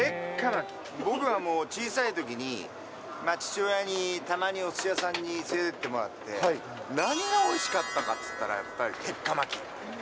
僕はもう、小さいときに父親にたまにおすし屋さんに連れて行ってもらって、何がおいしかったかっていったら、やっぱり鉄火巻き。